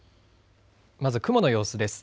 まず雲の様子です。